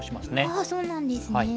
ああそうなんですね。